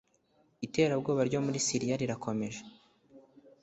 iterabwoba ryo muri siriya rirakomeje